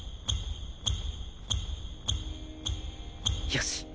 よし！